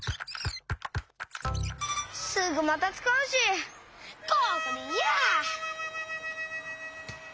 すぐまたつかうしここでいいや。